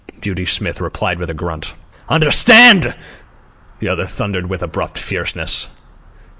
Beauty Smith replied with a grunt. "Understand?" the other thundered with abrupt fierceness.